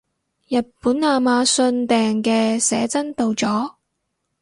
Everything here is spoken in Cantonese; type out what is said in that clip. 日本亞馬遜訂嘅寫真到咗